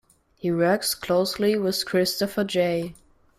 He works closely with Christopher J.